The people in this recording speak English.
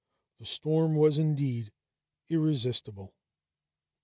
The storm was indeed irresistible.